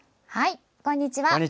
こんにちは。